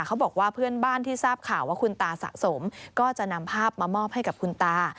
เขาบอกว่าเพื่อนบ้านที่ทราบข่าวว่าคุณตาสะสมก็จะนำภาพมามอบให้กับคุณตา